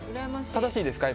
正しいですか？